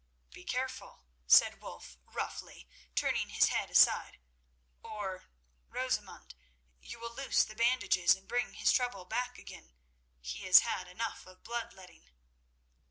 "Be careful," said Wulf roughly, turning his head aside, "or, Rosamund, you will loose the bandages, and bring his trouble back again; he has had enough of blood letting."